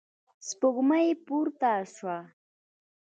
سپوږمۍ پورته شوه.